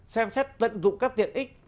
xem xét tận dụng các tiện ích